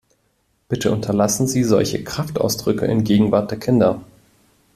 Bitte unterlassen Sie solche Kraftausdrücke in Gegenwart der Kinder!